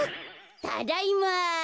ただいま。